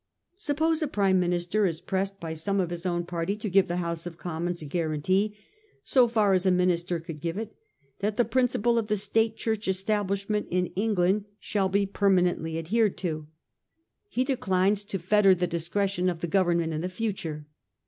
Suppose a Prime Minister is pressed by some of his own party to give the House of Commons a guarantee, ' so far as a minister could give it,' that the principle of the State Church Esta blishment in England shall be permanently adhered A A 2 356 A HISTORY OF OUR OWN TIMES. CH. XTY. to. He declines to fetter the discretion of the Go vernment in the future.